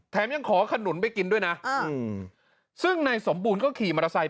ยังขอขนุนไปกินด้วยนะซึ่งนายสมบูรณ์ก็ขี่มอเตอร์ไซค์